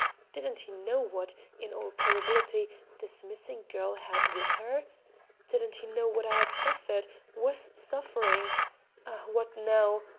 Didn't he know what, in all probability, this missing girl had with her? Didn't he know what I had suffered, was suffering ah, what now?